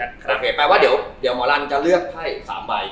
โอเคแปลว่าเดี๋ยวหมอลันจะเลือกไพ่๓ใบ